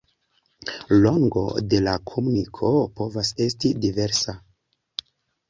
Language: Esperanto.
Longo de la komuniko povas esti diversa.